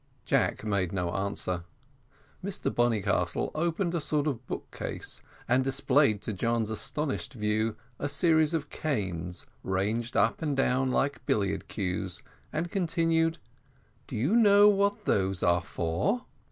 Jack made no answer. Mr Bonnycastle opened a sort of book case, and displayed to John's astonished view a series of canes, ranged up and down like billiard cues, and continued, "Do you know what those are for?"